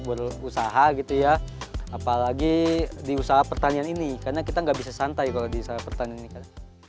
berusaha gitu ya apalagi di usaha pertanian ini karena kita enggak bisa santai kalau bisa pertanian